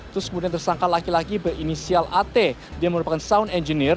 terus kemudian tersangka laki laki berinisial at dia merupakan sound engineer